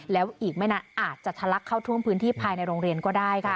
แล้วอีกไม่นานอาจจะทะลักเข้าท่วมพื้นที่ภายในโรงเรียนก็ได้ค่ะ